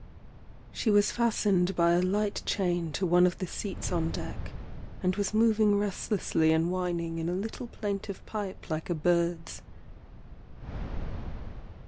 She was fastened by a light chain to one of the seats on deck, and was moving restlessly and whining in a little plaintive pipe like a bird's.